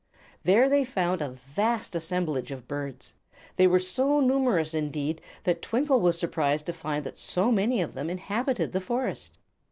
There they found a vast assemblage of birds. They were so numerous, indeed, that Twinkle was surprised to find that so many of them inhabited the forest.